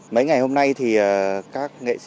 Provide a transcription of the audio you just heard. mấy ngày hôm nay thì các nghệ sĩ